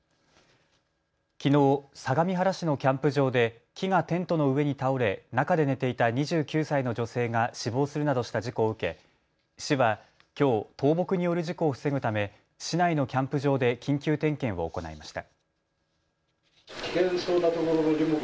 きのう相模原市のキャンプ場で木がテントの上に倒れ中で寝ていた２９歳の女性が死亡するなどした事故を受け市はきょう、倒木による事故を防ぐため市内のキャンプ場で緊急点検を行いました。